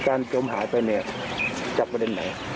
จมหายไปเนี่ยจากประเด็นไหน